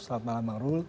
selamat malam bang rult